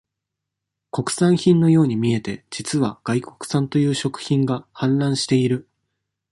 国産品のように見えて、実は外国産という食品が、氾濫している。